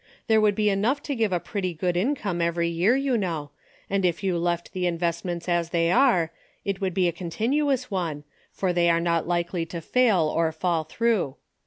There would be enough to give a pretty good income every year you know, and if you left the investments as they are, it would be a con tinuous one, for they are not likely to fail or fall through.